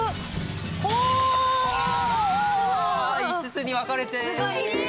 ５つに分かれて。